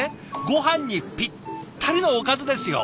ごはんにぴったりのおかずですよ。